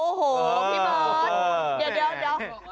โอ้โหพี่บอคเดี๋ยว